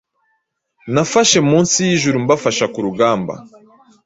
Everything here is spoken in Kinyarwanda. Nafashe munsi yijurumbafasha kurugamba